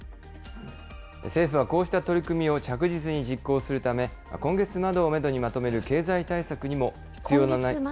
政府はこうした取り組みを着実に実行するため、今月までをメドに、経済対策にも必要。